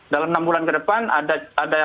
dalam enam bulan ke depan ada